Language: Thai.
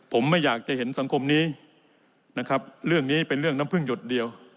ผมไม่อยากจะเห็นสังคมนี้นะครับเรื่องนี้เป็นเรื่องน้ำพึ่งหยดเดียว